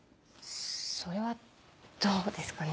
それはどうですかね？